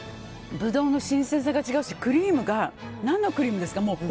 ブドウの新鮮さが違うしクリームが何のクリームですか。